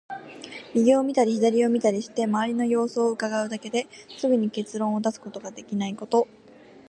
右を見たり左を見たりして、周りの様子を窺うだけですぐに結論を出すことができないこと。